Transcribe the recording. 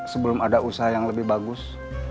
sebelum ada usaha yang lebih bagus